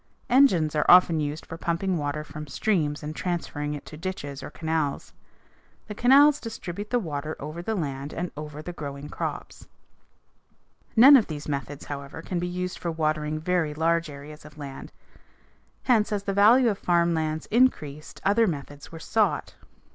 Engines are often used for pumping water from streams and transferring it to ditches or canals. The canals distribute the water over the land or over the growing crops. [Illustration: FIG. 287. THE MAIN DITCH OF AN IRRIGATION PLANT] None of these methods, however, can be used for watering very large areas of land. Hence, as the value of farm lands increased other methods were sought.